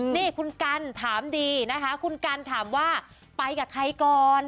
นี่คุณกันถามดีนะคะคุณกันถามว่าไปกับใครก่อน